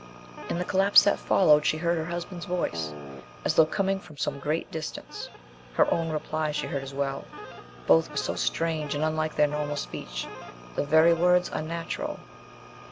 In the collapse that followed, she heard her husband's voice, as though coming from some great distance. Her own replies she heard as well. Both were so strange and unlike their normal speech, the very words unnatural.